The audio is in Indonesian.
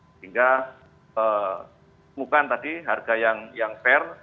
sehingga temukan tadi harga yang fair